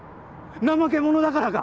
怠け者だからか？